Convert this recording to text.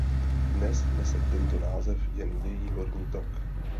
Dnes nese tento název jen její horní tok.